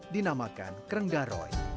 dinamakan kreng daroy